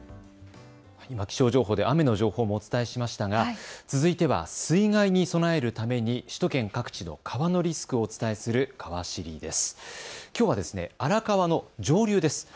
気象情報で雨の情報もお伝えしましたが、続いては水害に備えるために首都圏各地の川のリスクをお伝えするかわ知りです。